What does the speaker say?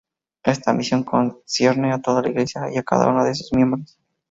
Esta misión concierne a toda la Iglesia y a cada uno de sus miembros.